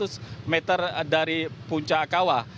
yang bercapai sekitar seratus meter dari puncak kawah